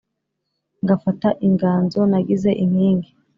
ngafata inganzo nagize inkingi